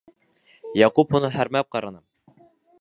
Яҡуп уны һәрмәп ҡараны.